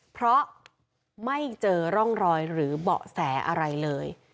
เพราะไม่เจอร่องรอยหรือเบาะแสอะไรเลย